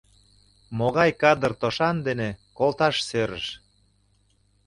Могай кадыр тошан дене колташ сӧрыш?